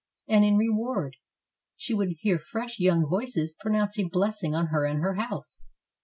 And, in reward, she would hear fresh young voices pronounce a blessing on her and her house.